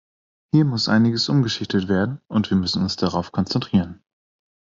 Hier muss einiges umgeschichtet werden, und wir müssen uns darauf konzentrieren.